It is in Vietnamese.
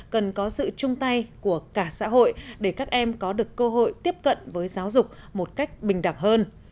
cần có sự chung tay của cả xã hội để các em có được cơ hội tiếp cận với giáo dục một cách bình đẳng hơn